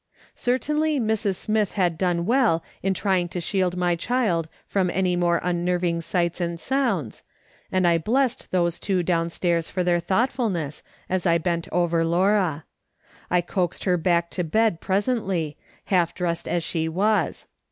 Certainly Mrs. Smith had done well in trying to shield my child from any more unnerving sights and sounds, and I blessed those two downstairs for their thoughtfulness as I bent over Laura. I coaxed lier back to bed presently, half dressed as she was.